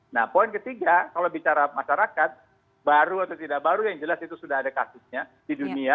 nah poin ketiga kalau bicara masyarakat baru atau tidak baru yang jelas itu sudah ada kasusnya di dunia